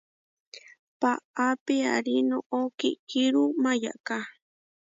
Paá piarí noʼó kirú mayaká.